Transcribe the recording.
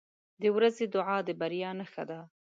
• د ورځې دعا د بریا نښه ده.